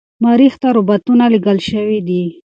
مریخ ته روباتونه لیږل شوي دي.